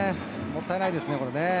もったいないですね、これ。